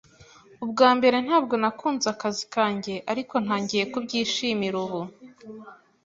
Ubwa mbere ntabwo nakunze akazi kanjye, ariko ntangiye kubyishimira ubu.